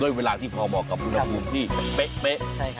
เวลาที่พอเหมาะกับอุณหภูมิที่เป๊ะ